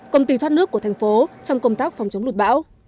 công ty thoát nước của thành phố trong công tác phòng chống lụt bão